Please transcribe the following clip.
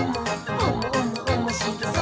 おもしろそう！」